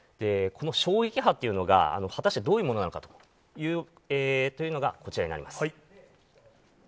この衝撃波というのが、果たしてどういうものなのかというのが、こちらになります。